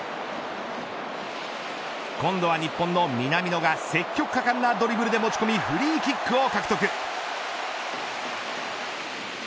今度は日本の南野が積極果敢なドリブルで持ち込みフリーキックを獲得。